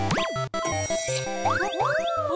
お！